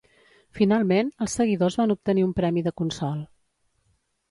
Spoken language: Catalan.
Finalment, els seguidors van obtenir un premi de consol.